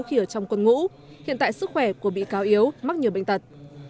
khi ở trong quân ngũ hiện tại sức khỏe của bị cáo yếu mắc nhiều bệnh tật